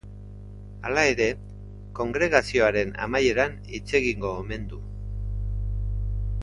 Hala ere, kongregazioaren amaieran hitz egingo omen du.